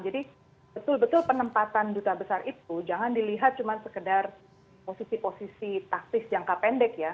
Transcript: jadi betul betul penempatan duta besar itu jangan dilihat cuma sekedar posisi posisi taktis jangka pendek ya